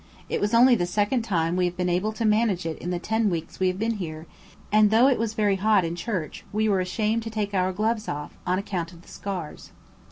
It was only the second time we have been able to manage it in the ten weeks we have been here; and though it was very hot in Church we were ashamed to take our gloves off, on account of the scars.